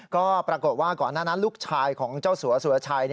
ก็ปรากฏว่าก่อนหน้านั้นลูกชายของเจ้าสัวสุรชัย